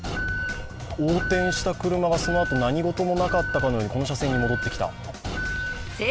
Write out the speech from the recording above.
横転した車がそのあと何事もなかったかのように、この車線に戻ってきた。